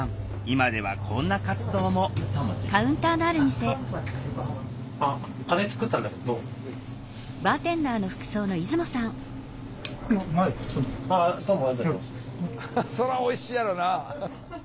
今ではこんな活動もそりゃおいしいやろな。